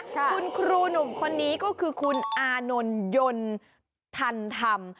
คุณครูหนุ่มคนนี้ก็คือคุณอานนท์ยนต์ทันธรรม